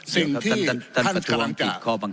สิ่งที่ท่านกำลังจะ